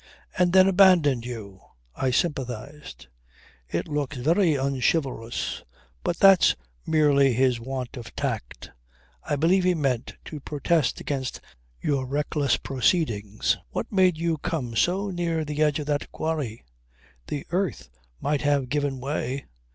"And then abandoned you!" I sympathized. "It looks very unchivalrous. But that's merely his want of tact. I believe he meant to protest against your reckless proceedings. What made you come so near the edge of that quarry? The earth might have given way.